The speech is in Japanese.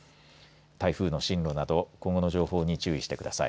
台風の進路など今後の情報に注意してください。